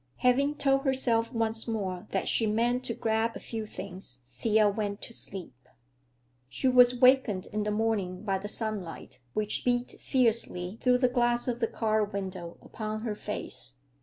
Having told herself once more that she meant to grab a few things, Thea went to sleep. She was wakened in the morning by the sunlight, which beat fiercely through the glass of the car window upon her face.